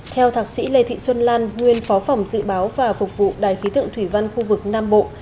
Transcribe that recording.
theo thạc sĩ lê thị xuân lan nguyên phó phòng dự báo và phục vụ đài khí tượng thủy văn khu vực nam bộ